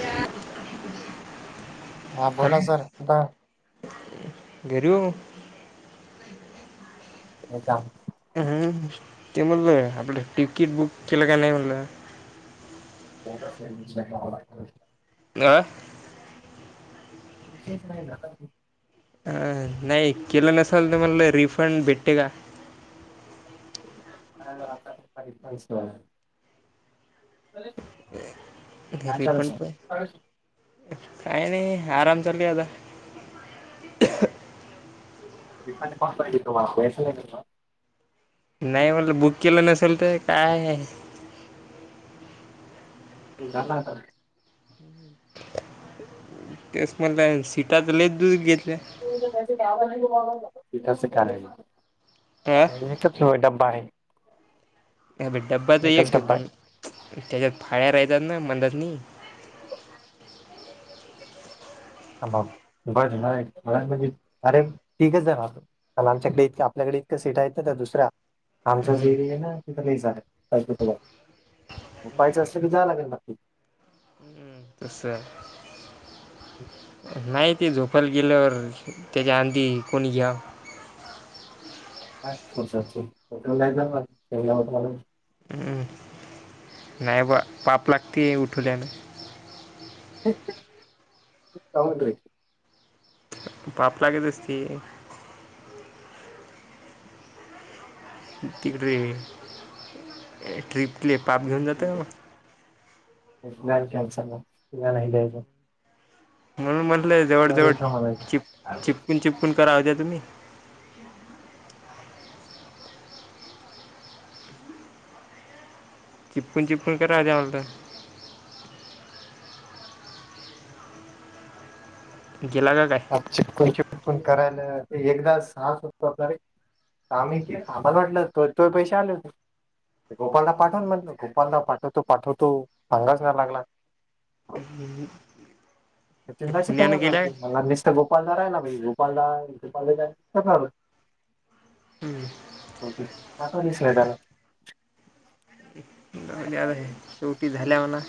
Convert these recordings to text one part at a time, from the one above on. या हा बोला सर कुठ घेरव हो का. ह ते म्हटलं आपलं तिकीट बुक केलं काय नाही म्हणलं. हो. आ. विशेच नाही ना आता. अ नाही केलं नसाल तरमला रिफंड भेटते का. [unintelligible] घरी पण काही नाही आरामचाल काता. त्हा. नाही म्हटलं बुक केलं नसेल तर काय. ते झालं तर. हम् ह तेस म्हट सिटाात लले दूध घेतल्या. अ [unintelligible] चतलोय ड्बा आहे.. अ ड्बा तर एक एकच हे डब्बा आहे पण त्याच्यात फाळ्या राहतात ना मंदातनी बर म्हणज अरे ठीकच आहे म. मला आमच्याकडे इकं आपल्याकडे इतं सीट आहेतं ना दुसऱ्या. आमच्याच हं एरिया आहे ना तिथं नाही झालंब पाहिज असलं क जा लागेल मकी. तसं. ह. नाही ते झोपाला गेलंवर त्याच्या आंधी कोणी घ्या. हस होटल नाहीट. हं नाही बा पाप लागते उठूल्याने कामटर. पाप लागेतसती. तिकडे ट्रिपले पाप घेऊन जातं मग. न कलस ना न हिले. म्हणून म्हटलं सर जवळजवळ उठा चिप म्हणायचं चिपकून चिपकून करा होत्या तुम्ही चिपकून चिपकन का राजा आलत. जेला का काय. चिपकून चिपकून करायला एकदा सास होतो आपलाे आम्ही के आमला घटलं तो पैसे आले होते. गोपाळला पाठवून म्हण गोपाळला पाठवतो पाठवतो सांगाच नाही लागला. त्या सचिंडाची पुण्यानं तवाच गेल्या झालती का मला मिस्टर गोपाळदार राहिला बा गोपाळदार गोपाल [unintelligible] हम्म. ओके पाठवली [unintelligible] मी आता हें शेवटी झाल्या वर ना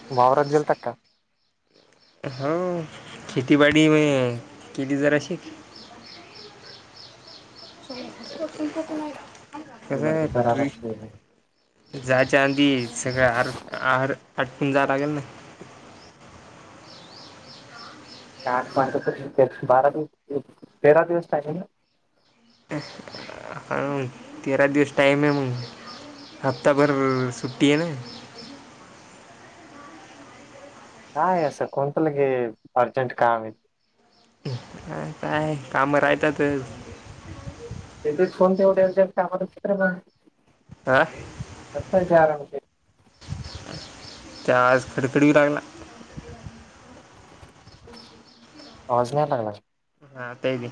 [unintelligible] वावरात गेलता की काय? हाव खेतीबाडी मय केली जराशी कसंय ट्रिप जायच्या आधी सगळं आर आर आटपून जायला लागल ना. ते आठ पात चं बारा दिवस तेरा दिवस पाहजे ना [unintelligible] आ हा म तेरा दिवस टाइम आहे मग हप्ताभर सुट्टी आहे ना. काय असं कोणत लगेच अर्जंट काम आहे. [unintelligible] काय काम रायतातचं. एकच फोन ठेव त्यांचा अन कामाला छत्र नाय. हा. परपंच आला होतंय. त्या आज खडखडी लागला. पाऊस नाय लागला. हा ते भी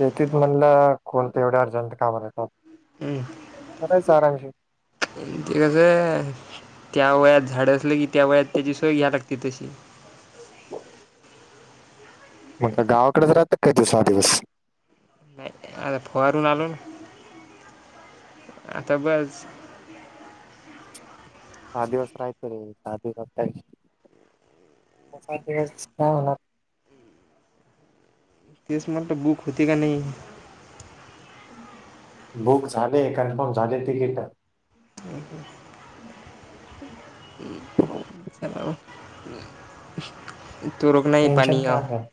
हो तेच म्हणला कोणते एवढे अर्जंट काम आल पाहू. हम् आता [unintelligible] ते कसं त्या वयात झाडं असलं की त्या वयात त्याची सोय घ्यायला लागते तशी. मग काय गावाकड जर आता काय तू सहा दिवस. नाही आता फावरून आलो मी आता बस सहा दिवस राहायचे रे सहा दिवसात काय पाच दिवस काय होणार तेच म्हटलं बुक होती का नाई. बुक झालय कन्फर्म झालय तिकीट टाक. [unintelligible] तु रुग्णई पाणी टेन्शन य काय नाही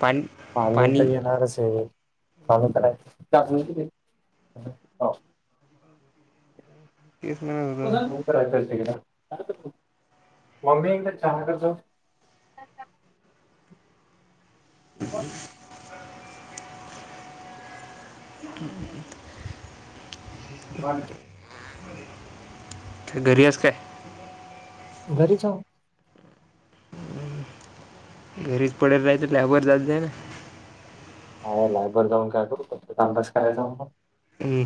पाणी पाणी तर येणारच ये. अजून त काय [unintelligible] तेच न आता [unintelligible] मम्मी एकदा चहा कर गं [unintelligible] [unintelligible] [unintelligible] घरी असताय. घरीच अहो घरीच पडेल राहाच लॅब वर जात जाय न. हा लॅब वर जाऊन काय करू फक्त टाईमपास करायला जाऊ म हम्म.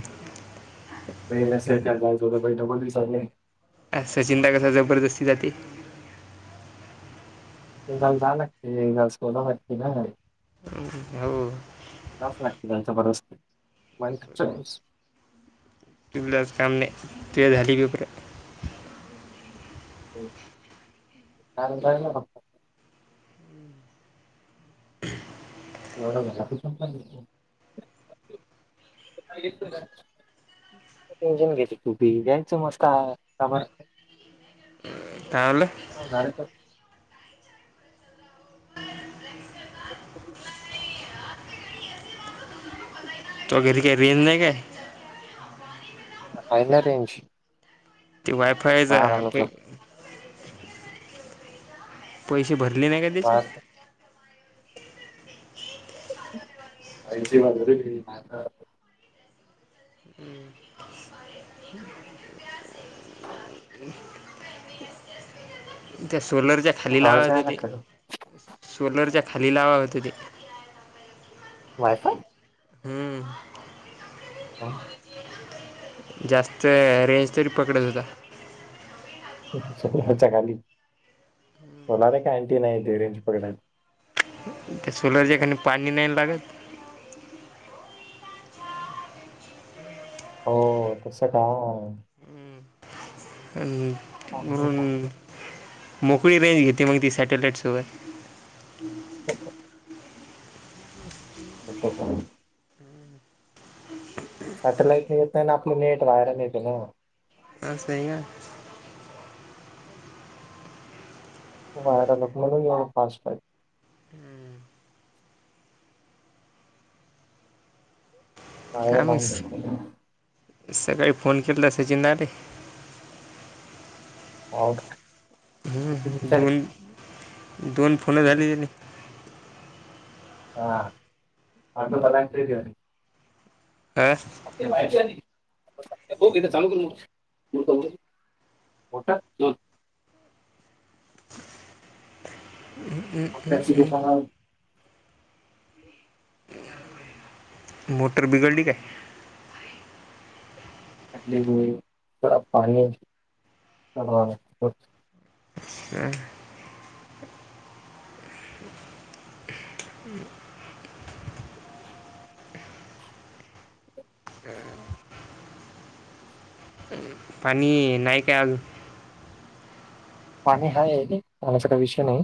पहिला सेंटर जाऊन झोपाय तो पण दिसत नाही. सचिन पाय कसा जबरदस्ती जाते. तल जा लाग एक झाल सोडा लाकी ना हो जावच लागते त्यांचा. [unintelligible] तुलाच काम नाही तु झाली बिपर होय आणि काय नाय बघ. एवढं घरात बसून काय करतो [unintelligible] टेंशन घेते तू बी जायच मस्त कामा काय म्हणल? हो झाल [inaudible] तुह्या घरी का रेंज नाही का? हाईना रेंज. ती वायफाय ज बाहेर आहे आलो तर प पैसे भरले नाही काय त्याचे? बाहेर आई जेवायला गेली भात ह् त्या सोलरच्या खाली लावत यायला होते का सोलरच्या खाली लावावत होते वायफाय हम्म ह जास्त रेंज तरी पकडत होता च खालाच्या खाली होणार ये का अंटी नाही ते रेंज पकडायला ते सोलार ज कनई पाणी नाही न लागत. हो तसं का? हम्म. हो नाही का. मोकळी रेंज घेते मग ती सॅटेलाईट्स वर. बर. [unintelligible] सॅटेलाईटन नाही येत नाही आपलं नेट बाहेरून येत ना. असय ना. [unintelligible] काय व्हायरल मग लावून घेतले सकाळी फोन केला असचिन ना रे. हो का. किती मिनिटात दोन दोन फोनं झाली त्यानी [unintelligible] आं? [unintelligible] होता. [inaudible] [unintelligible] मोटर बिघडली काय? [unintelligible] [inaudible] पाणी नाही काय पाणी हाय पाण्याचा काही विषय नाही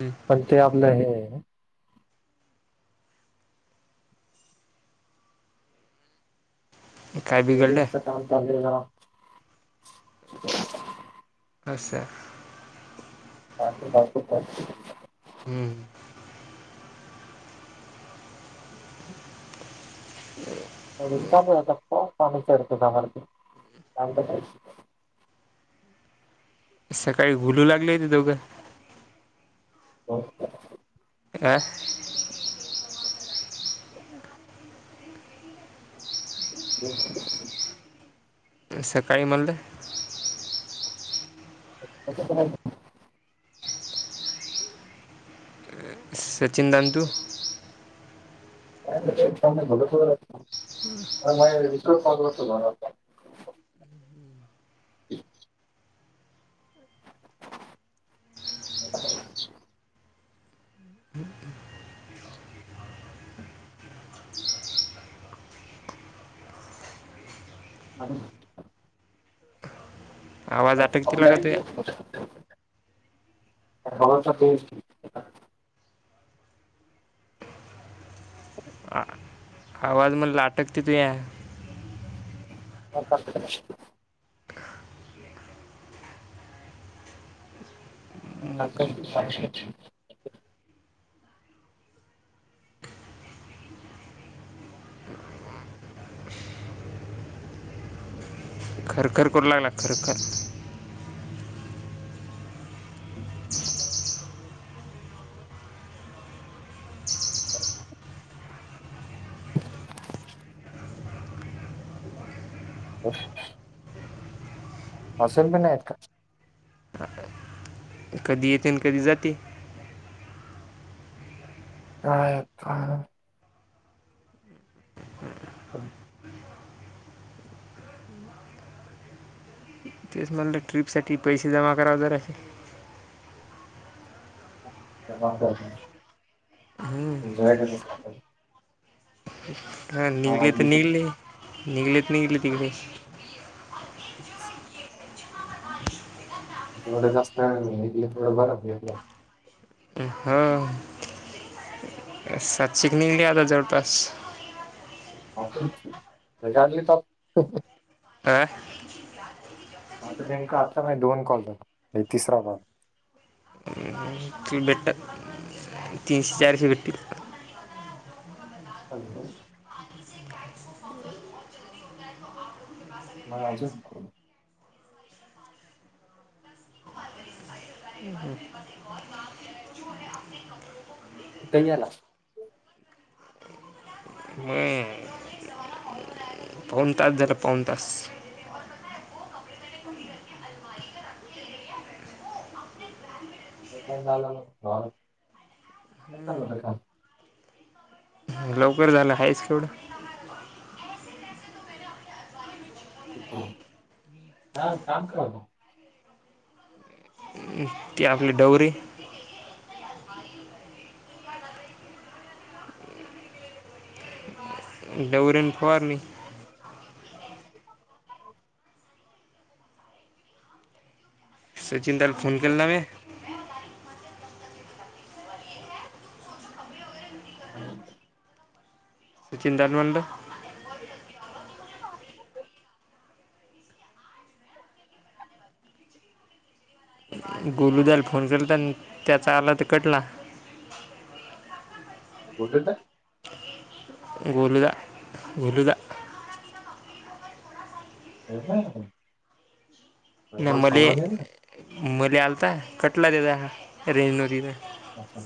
हम्म. पण ते आपलं हे काय बिघडलं [unintelligible] अस. [unintelligible] हम्म. [unintelligible] सकाळी घुलू लागले ते दोघं. हो. आं [inaudible] [unintelligible] सकाळी मनल. [unintelligible] सचिन दांतू. [unintelligible] [unintelligible] [unintelligible] [inaudible] [unintelligible] आवाज अटकते लागा तुया [unintelligible] आ आवाज मणल आटकतय तू या. [unintelligible] मोकरी [unintelligible] खरखर करू लागला खरखर. [inaudible] [inaudible] [inaudible] अस [unintelligible] आहेत का? [unintelligible] कधी येते न कधी जाते? [unintelligible] [unintelligible] तेच मनलं, ट्रीपसाठी पैसे जमा करावं जरासे. [unintelligible] एन्जॉय करायचो आपण. [unintelligible] हा, निघले तर निघले, निघले तर निघले तिकडेच. [unintelligible] जेवढं जास्त आहे [unintelligible] तेवढं बरं भेटला. [unintelligible] ह. सातशिक निघली आता जवळपास. [unintelligible] [unintelligible] माझं नेमका आत्ता दोन कॉल [unintelligible] तिसरा कॉल. [unintelligible] तीन भेटतात. [inaudible] तीश, चारशे भेटतील. हॅलो. मग अजून? [unintelligible] कुठं गेला? [unintelligible] पाऊन तास झालं, पाऊण तास. [unintelligible] [unintelligible] लवकर झालं. हायच केवढं. [unintelligible] ती आपली डवरी. डवरी न फवारणी. [inaudible] सचिनदा ला फोन केला न्हवे? [unintelligible] चिंताार म्हड गोलूदल फोन केला तर आणि त्याचा आला तर कटला होठो गोोलोल दा गोल दा [unintelligible] वैभव नाही मले सांगून ये ना. मले आलता कटला दता रेंज नवती तर. अच्छा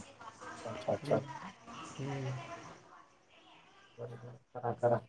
अच्छा अच्छा्छा. हम. बरोबररा करा करा